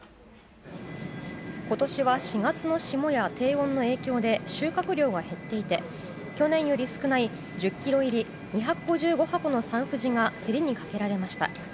今年は４月の霜や低温の影響で収穫量が減っていて去年より少ない１０ｋｇ入り２５５箱のサンふじが競りにかけられました。